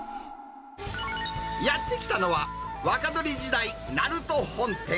やって来たのは、若鶏時代なると本店。